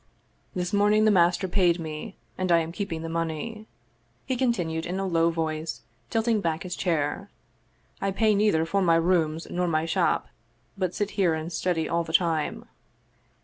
" This morning the master paid me, and I am keeping the money," he continued in a low voice, tilting back his chair. " I pay neither for my rooms nor my shop, but sit here and study all the time."